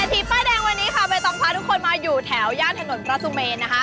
ทีป้ายแดงวันนี้ค่ะใบตองพาทุกคนมาอยู่แถวย่านถนนพระสุเมนนะคะ